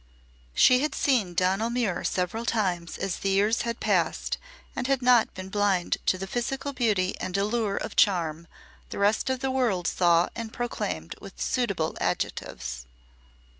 She had seen Donal Muir several times as the years had passed and had not been blind to the physical beauty and allure of charm the rest of the world saw and proclaimed with suitable adjectives.